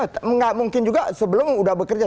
tidak mungkin juga sebelum sudah bekerja